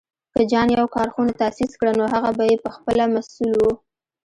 که جان يو کارخونه تاسيس کړه، نو هغه به یې پهخپله مسوول و.